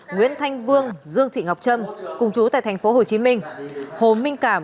nguyễn thanh vương dương thị ngọc trâm cùng chú tại tp hcm hồ minh cảm